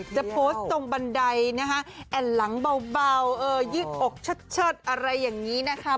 จะโพสต์ตรงบันไดนะคะแอ่นหลังเบายืดอกเชิดอะไรอย่างนี้นะคะ